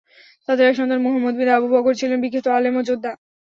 তাদের এক সন্তান মুহাম্মাদ বিন আবু বকর ছিলেন বিখ্যাত আলেম ও যোদ্ধা।